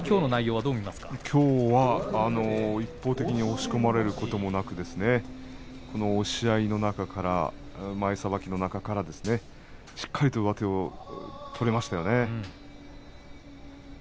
きょうは一方的に押し込まれることもなく押し合いの中から前さばきの中からしっかりと上手を取れましたね。